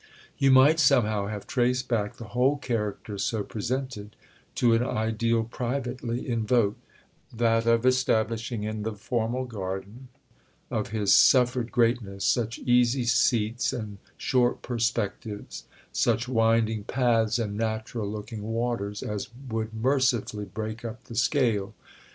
You might somehow have traced back the whole character so presented to an ideal privately invoked—that of his establishing in the formal garden of his suffered greatness such easy seats and short perspectives, such winding paths and natural looking waters, as would mercifully break up the scale.